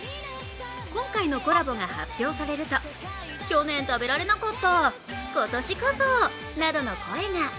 今回のコラボが発表されると去年食べられなかった今年こそ！などの声が。